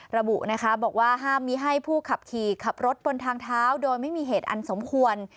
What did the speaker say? ระบุนะคะบอกว่าห้ามมีให้ผู้ขับขี่ขับรถบนทางเท้าโดยไม่มีเหตุอันสมควร